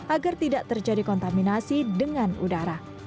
agar tidak terjadi kontaminasi dengan udara